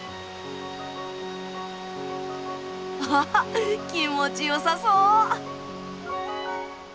ハハ気持ちよさそう！